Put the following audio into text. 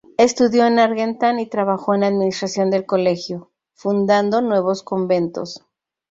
Estudió en Argentan y trabajó en la administración del colegio, fundando nuevos conventos.